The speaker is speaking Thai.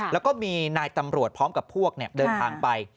แล้วก็มีนายตำรวจพร้อมกับพวกเดินทางไป